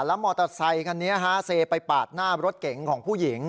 แล้วมอเตอร์ไซคันนี้ฮะเซไปปาดหน้ารถเก๋งของผู้หญิง